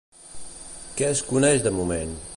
Què es coneix de moment?